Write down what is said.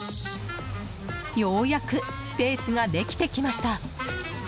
ようやくスペースができてきました。